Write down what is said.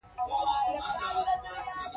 متل د استعارې او کنایې په ژبه خبرې کوي